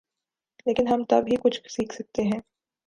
لیکن ہم تب ہی کچھ سیکھ سکتے ہیں۔